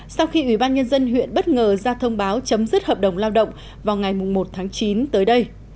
sau khi ủy ban nhân dân huyện bất ngờ ra thông báo chấm dứt hợp đồng lao động vào ngày một tháng chín tới đây